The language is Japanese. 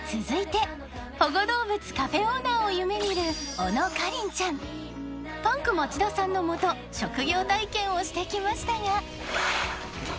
［続いて保護動物カフェオーナーを夢見る小野夏鈴ちゃん］［パンク町田さんの下職業体験をしてきましたが］